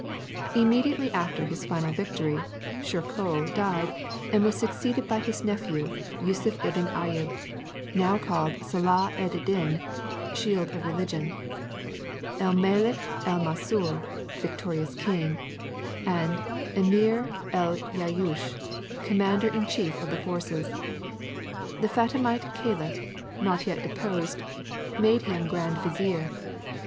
Immediately after his final victory Shirkoh died, and was succeeded by his nephew Yûssuf ibn Ayûb, now called Salah ed Din (Shield of Religion), el Melek el Mansûr (the Victorious King), and Emir el Jayûsh (Commander in chief of the Forces). The Fatimite caliph, not yet deposed, made him Grand Vizier.